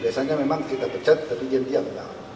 biasanya memang kita pecat tapi diam diam